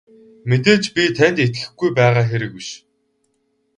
Мэдээж би танд итгэхгүй байгаа хэрэг биш.